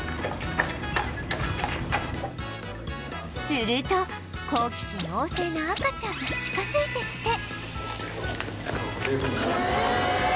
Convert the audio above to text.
すると好奇心旺盛な赤ちゃんが近づいてきて